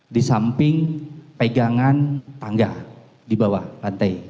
di samping pegangan tangga di bawah lantai